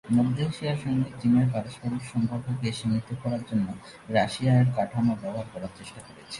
মধ্য এশিয়ার সঙ্গে চীনের পারস্পরিক সম্পর্ককে সীমিত করার জন্য রাশিয়া এর কাঠামো ব্যবহার করার চেষ্টা করেছে।